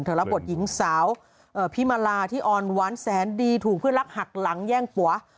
รับบทหญิงสาวพี่มาลาที่อ่อนหวานแสนดีถูกเพื่อนรักหักหลังแย่งผัว